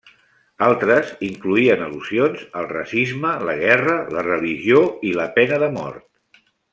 Altres, incloïen al·lusions al racisme, la guerra, la religió i la pena de mort.